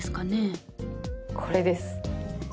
これです。